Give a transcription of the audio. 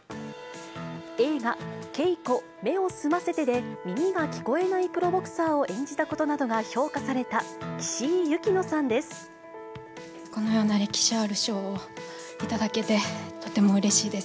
映画、ケイコ目を澄ませてで耳が聞こえないプロボクサーを演じたことなどが評このような歴史ある賞を頂けて、とてもうれしいです。